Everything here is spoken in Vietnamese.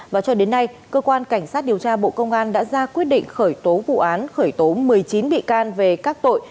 và cho đến nay cơ quan cảnh sát điều tra bộ công an đã ra quyết định khởi tố vụ án khởi tố một mươi chín bị can về các tội